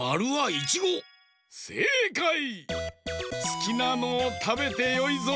すきなのをたべてよいぞ。